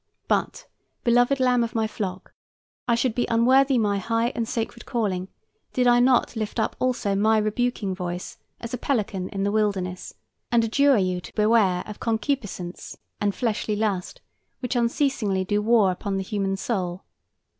But, beloved lamb of my flock, I should be unworthy my high and sacred calling did I not lift up also my rebuking voice as a pelican in the wilderness, and adjure you to beware of concupiscence and fleshly lust, which unceasingly do war upon the human soul.